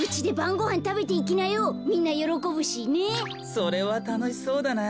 それはたのしそうだな。